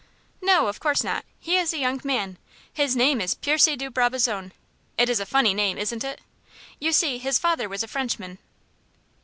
"No; of course not. He is a young man. His name is Percy de Brabazon. It is a funny name, isn't it? You see, his father was a Frenchman."